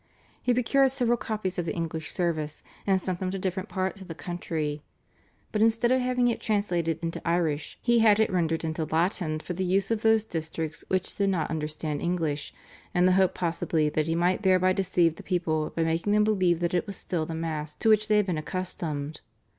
He procured several copies of the English service and sent them to different parts of the country, but instead of having it translated into Irish he had it rendered into Latin for the use of those districts which did not understand English, in the hope possibly that he might thereby deceive the people by making them believe that it was still the Mass to which they had been accustomed.